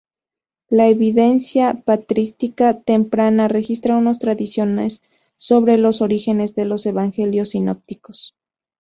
La evidencia patrística temprana registra unos tradiciones sobre los orígenes de los evangelios sinópticos.